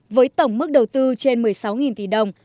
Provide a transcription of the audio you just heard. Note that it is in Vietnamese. với tổng mức đầu tư trên một mươi sáu tỷ đồng